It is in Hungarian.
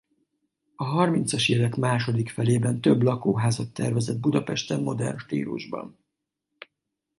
A harmincas évek második felében több lakóházat tervezett Budapesten modern stílusban.